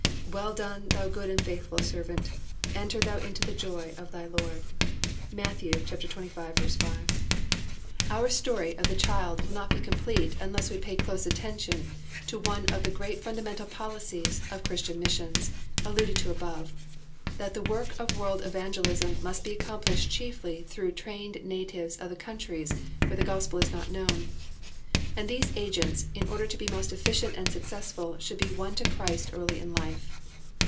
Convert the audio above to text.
"Well done, thou good and faithful servant, ... Enter thou into the joy of thy Lord." Matt. 25:5. "Redeemed by His Blood." [Sidenote: Trained native workers necessary.] Our story of The Child will not be complete unless we pay close attention to one of the great fundamental policies of Christian missions, alluded to above, that the work of world evangelization must be accomplished chiefly through trained natives of the countries where the Gospel is not known. And these agents, in order to be most efficient and successful should be won to Christ in early life.